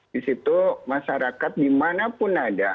di situ masyarakat dimanapun ada